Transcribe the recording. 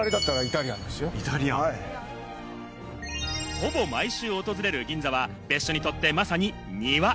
ほぼ毎週訪れる銀座は別所にとってまさに庭。